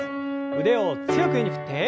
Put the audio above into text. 腕を強く上に振って。